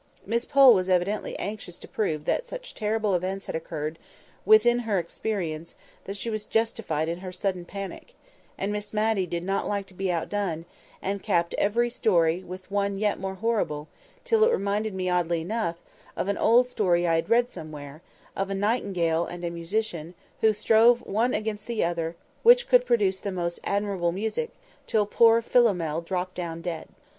Miss Pole was evidently anxious to prove that such terrible events had occurred within her experience that she was justified in her sudden panic; and Miss Matty did not like to be outdone, and capped every story with one yet more horrible, till it reminded me oddly enough, of an old story I had read somewhere, of a nightingale and a musician, who strove one against the other which could produce the most admirable music, till poor Philomel dropped down dead.